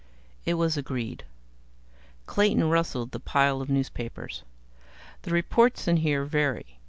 It was agreed. Clayton rustled the pile of newspapers. "The reports in here vary.